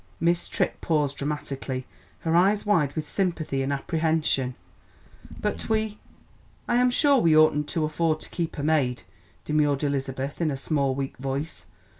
Miss Tripp paused dramatically, her eyes wide with sympathy and apprehension. "But we I am sure we oughtn't to afford to keep a maid," demurred Elizabeth in a small, weak voice.